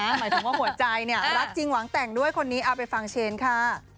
หมายถึงว่าหัวใจเนี่ยรักจริงหวังแต่งด้วยคนนี้เอาไปฟังเชนค่ะ